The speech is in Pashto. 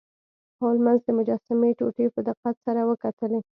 هولمز د مجسمې ټوټې په دقت سره وکتلې.